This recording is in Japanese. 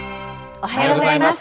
おはようございます。